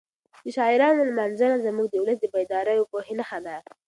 د شاعرانو لمانځنه زموږ د ولس د بیدارۍ او پوهې نښه ده.